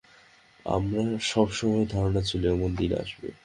আমার সবসময়ই ধারণা ছিল এমন দিন আসবে।